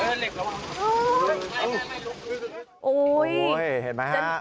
เห็นไหมครับ